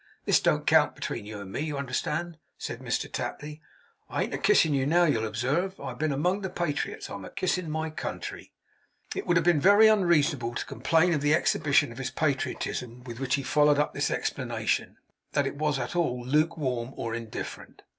This don't count as between you and me, you understand,' said Mr Tapley. 'I ain't a kissing you now, you'll observe. I have been among the patriots; I'm a kissin' my country.' It would have been very unreasonable to complain of the exhibition of his patriotism with which he followed up this explanation, that it was at all lukewarm or indifferent.